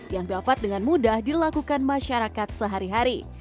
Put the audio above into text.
yang dapat dengan mudah dilakukan masyarakat sehari hari